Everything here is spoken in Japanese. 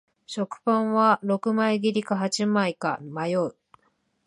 食パンは六枚切りか八枚か迷う